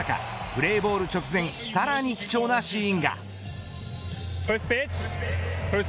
プレーボール直前さらに貴重なシーンが。